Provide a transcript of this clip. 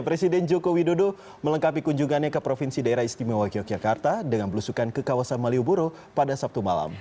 presiden joko widodo melengkapi kunjungannya ke provinsi daerah istimewa yogyakarta dengan belusukan ke kawasan malioboro pada sabtu malam